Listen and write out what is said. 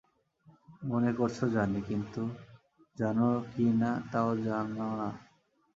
মনে করছ জানি, কিন্তু জান কি না তাও জান না।